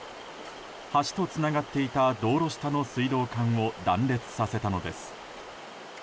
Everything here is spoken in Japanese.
橋とつながっていた道路下の水道管を断裂させたのです。